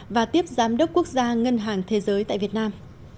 và tiếp giám đốc quốc gia ngân hàng thế giới tại việt nam